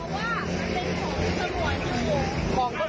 มันจะขาดตอนเทียงเพราะโรคศัตริย์